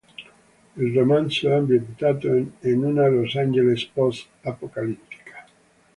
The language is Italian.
Il romanzo è ambientato in una Los Angeles Post-apocalittica.